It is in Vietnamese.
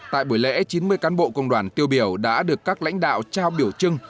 tại buổi lễ chín mươi cán bộ công đoàn tiêu biểu đã được các lãnh đạo trao biểu trưng